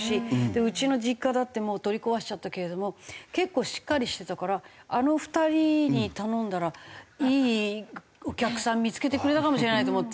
うちの実家だってもう取り壊しちゃったけれども結構しっかりしてたからあの２人に頼んだらいいお客さん見付けてくれたかもしれないと思って。